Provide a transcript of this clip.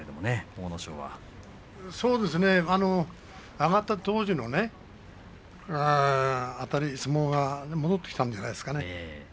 上がった当時のねあたり、相撲が戻ってきたんじゃないですか。